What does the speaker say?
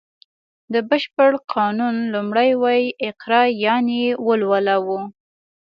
د بشپړ قانون لومړی ویی اقرا یانې ولوله و